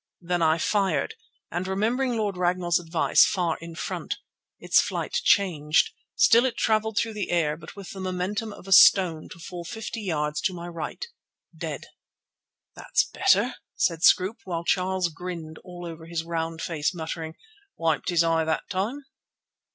Then I fired, and remembering Lord Ragnall's advice, far in front. Its flight changed. Still it travelled through the air, but with the momentum of a stone to fall fifty yards to my right, dead. "That's better!" said Scroope, while Charles grinned all over his round face, muttering: "Wiped his eye that time."